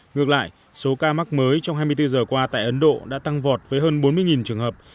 ngược lại số ca mắc mới trong hai mươi bốn giờ qua tại ấn độ đã tăng vọt với hơn bốn mươi trường hợp